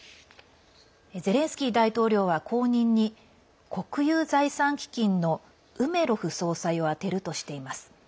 ゼレンスキー大統領は後任に国有財産基金のウメロフ総裁を充てるとしています。